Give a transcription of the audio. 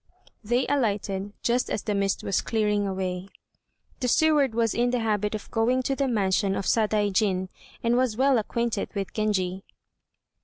They alighted just as the mist was clearing away. This steward was in the habit of going to the mansion of Sadaijin, and was well acquainted with Genji.